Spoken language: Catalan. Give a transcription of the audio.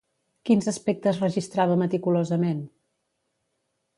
Quins aspectes registrava meticulosament?